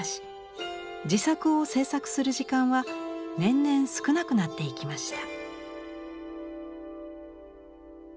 自作を制作する時間は年々少なくなっていきました。